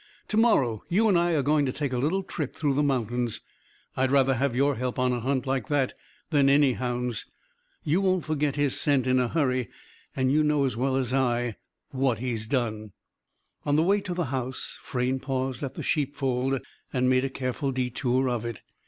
To morrow you and I are going to take a little trip through the mountains. I'd rather have your help on a hunt like that than any hound's. You won't forget his scent in a hurry. And you know, as well as I, what he's done." On the way to the house, Frayne paused at the sheepfold; and made a careful detour of it.